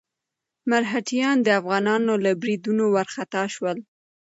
مرهټیان د افغانانو له بريدونو وارخطا شول.